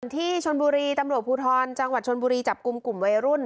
ที่ชนบุรีตำรวจภูทรจังหวัดชนบุรีจับกลุ่มกลุ่มวัยรุ่น